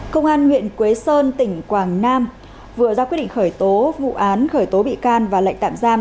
công an huyện quế sơn tỉnh quảng nam vừa ra quyết định khởi tố vụ án khởi tố bị can và lệnh tạm giam